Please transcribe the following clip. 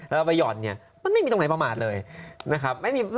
แล้วเราไปห่อนเนี่ยมันไม่มีตรงไหนประมาทเลยนะครับ